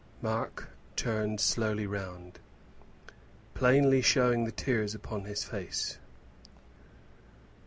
Mark turned slowly round, plainly showing the tears upon his face.